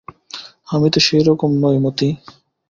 আমি তো সেইরকম নই মতি।